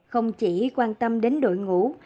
không chỉ quan tâm đến đội ngũ